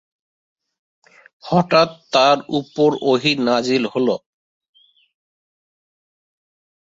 হঠাৎ তার ওপর ওহী নাযিল হলো।